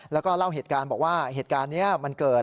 แล้วก็เล่าเหตุการณ์บอกว่าเหตุการณ์นี้มันเกิด